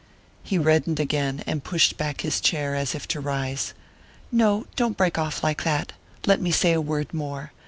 He reddened again, and pushed back his chair, as if to rise. "No don't break off like that! Let me say a word more.